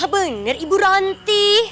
bener ibu ranti